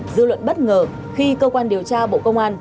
dư luận bất ngờ khi cơ quan điều tra bộ công an